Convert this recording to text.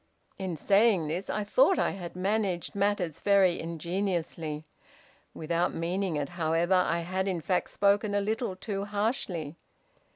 "In saying this, I thought I had managed matters very ingeniously. Without meaning it, however, I had in fact spoken a little too harshly.